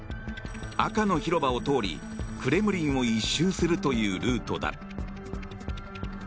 赤の広場を通りクレムリンを１周するというルートだ。